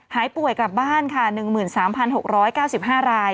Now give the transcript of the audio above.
หายป่วยกลับบ้านค่ะ๑๓๖๙๕ราย